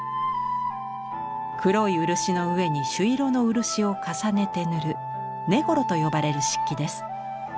黒い漆の上に朱色の漆を重ねて塗る根来と呼ばれる漆器です。